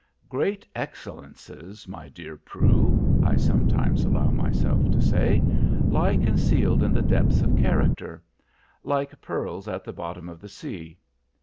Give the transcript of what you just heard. "Great excellences, my dear Prue," I sometimes allow myself to say, "lie concealed in the depths of character, like pearls at the bottom of the sea.